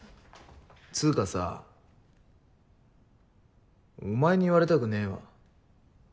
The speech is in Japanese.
つうかさお前に言われたくねぇわ。